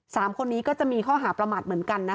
สามคนนี้ก็จะมีข้อหาประมาทเหมือนกันนะ